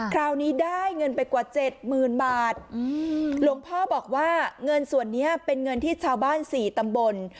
คราวนี้ได้เงินไปกว่าเจ็ดหมื่นบาทหลวงพ่อบอกว่าเงินส่วนนี้เป็นเงินที่ชาวบ้าน๔ตำบล